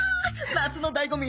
夏の醍醐味。